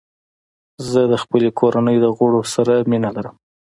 زه د خپلې کورنۍ د غړو سره مینه لرم.